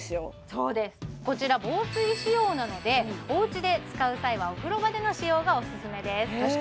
そうですこちら防水仕様なのでおうちで使う際はお風呂場での使用がおすすめです